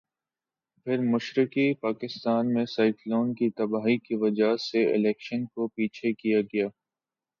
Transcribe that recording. پھر مشرقی پاکستان میں سائیکلون کی تباہی کی وجہ سے الیکشن کو پیچھے کیا گیا۔